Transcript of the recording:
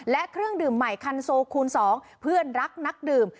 และเครื่องดื่มใหม่คันโซคูณ๒เพื่อนรักนักดื่ม